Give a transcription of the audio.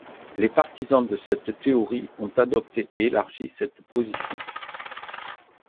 Les partisans de cette théorie ont adopté et élargi cette position.